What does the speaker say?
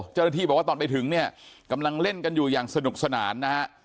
เจ้าหน้าที่บอกว่าตอนไปถึงเนี่ยกำลังเล่นกันอยู่อย่างสนุกสนานนะฮะ